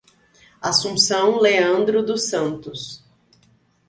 Assunção Leandro dos Santos